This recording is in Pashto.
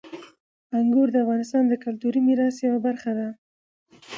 انګور د افغانستان د کلتوري میراث یوه برخه ده.